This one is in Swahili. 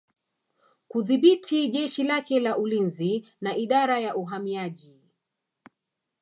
Kudhibiti jeshi lake la ulinzi na Idara ya Uhamiaji